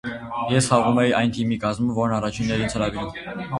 Ես խաղում էի այն թիմի կազմում, որն առաջինն էր ինձ հրավիրում։